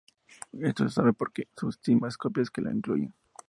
Esto se sabe porque subsisten copias que lo incluyen.